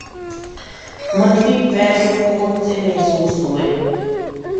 ، منفی پہلو کون سے محسوس ہوئے؟